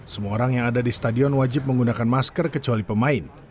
semua orang yang ada di stadion wajib menggunakan masker kecuali pemain